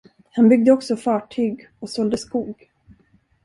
Han byggde också fartyg och sålde skog.